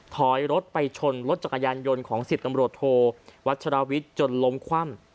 ถอยรถไปชนรถจักรยานยนต์ของ๑๐ตำรวจโทวัชราวิทย์จนล้มคว่ำ